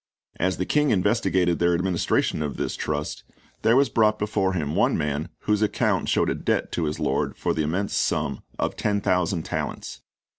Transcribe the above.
As the king investigated their administration of this trust, there was brought before him one man whose account showed a debt to his lord for the immense sum of ten thousand talents.